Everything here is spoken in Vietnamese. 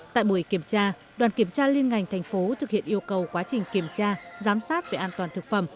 tại buổi kiểm tra đoàn kiểm tra liên ngành thành phố thực hiện yêu cầu quá trình kiểm tra giám sát về an toàn thực phẩm